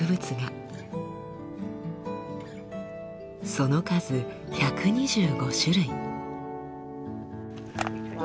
その数１２５種類。